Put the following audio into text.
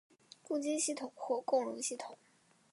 共晶系统或共熔系统。